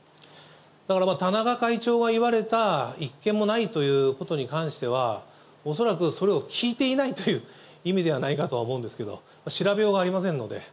だから、田中会長が言われた、１件もないということに関しては、恐らくそれを聞いていないという意味ではないかとは思うんですけれども、調べようがありませんので。